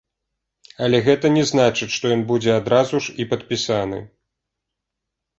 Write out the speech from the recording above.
Але гэта не значыць, што ён будзе адразу ж і падпісаны.